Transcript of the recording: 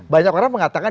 banyak orang mengatakan